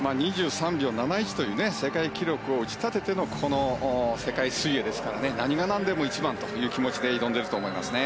２３秒７１という世界記録を打ち立ててのこの世界水泳ですから何がなんでも１番という気持ちで挑んでると思いますね。